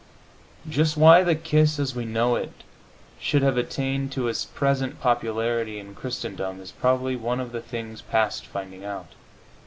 Just why the kiss as we know it should have attained to its present popularity in Christendom is probably one of the things past finding out.